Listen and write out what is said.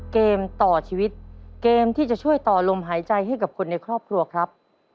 เกมต่อชีวิตเกมที่จะช่วยต่อลมหายใจให้กับคนในครอบครัวครับ